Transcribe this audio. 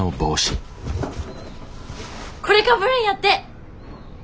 これかぶるんやって！